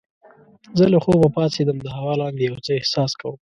زه له خوبه پاڅیدم د هوا لاندې یو څه احساس کوم.